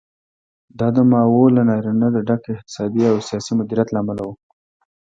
دا د ماوو له ناورینه د ډک اقتصادي او سیاسي مدیریت له امله و.